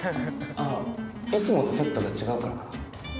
あいつもとセットが違うからかな？